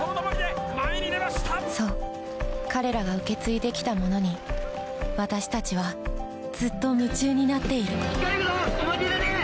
そう彼らが受け継いできたものに私たちはずっと夢中になっている・行けるぞ！